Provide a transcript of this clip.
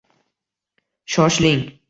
Shoshiling.